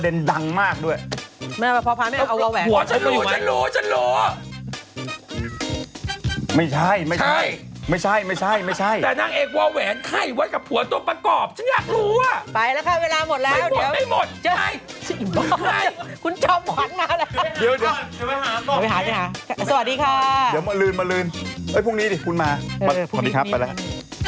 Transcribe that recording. เออพรุ่งนี้สิปล่ะแล้วครับไปแล้วครับสวัสดีครับไปแล้วครับ